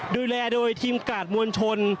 ดูแลโดยทีมกาดมวลชน